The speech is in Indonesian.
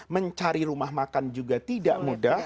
mencari rumah makan juga tidak mudah